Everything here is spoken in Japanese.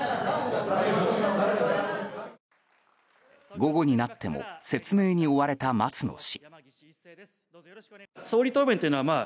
午後になっても説明に追われた松野氏。